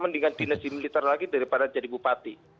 mendingan dinasti militer lagi daripada jadi bupati